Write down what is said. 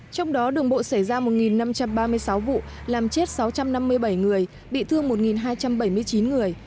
trong đó đường bộ xảy ra một năm trăm ba mươi sáu vụ làm chết sáu trăm năm mươi bảy người bị thương một hai trăm bảy mươi chín người